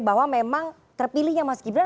bahwa memang terpilihnya mas gibran